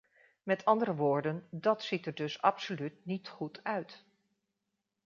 Met andere woorden, dat ziet er dus absoluut niet goed uit.